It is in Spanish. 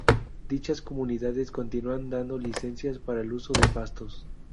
Dichas comunidades continúan dando licencias para el uso de pastos.